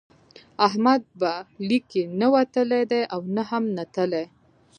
احمد به لیک کې نه وتلی دی او نه هم نتلی.